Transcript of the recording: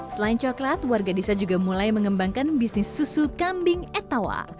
selain coklat warga desa juga mulai mengembangkan bisnis susu kambing etawa